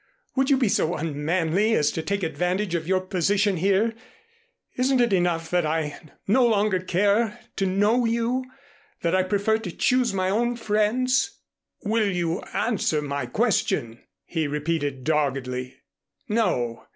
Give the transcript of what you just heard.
"Would you be so unmanly as to take advantage of your position here? Isn't it enough that I no longer care to know you, that I prefer to choose my own friends?" "Will you answer my question?" he repeated doggedly. "No.